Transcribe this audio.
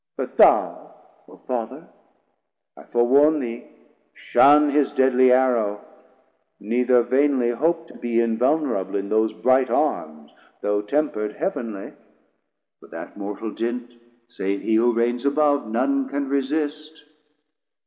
But thou O Father, I forewarn thee, shun 810 His deadly arrow; neither vainly hope To be invulnerable in those bright Arms, Though temper'd heav'nly, for that mortal dint, Save he who reigns above, none can resist.